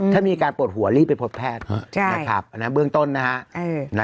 ถ้ามีอาการปวดหัวรีบไปพบแพทย์นะครับอันนั้นเบื้องต้นนะฮะ